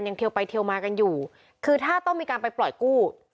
เทียวไปเทียวมากันอยู่คือถ้าต้องมีการไปปล่อยกู้